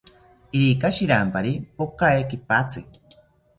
Irika shirampari pokae kipatzi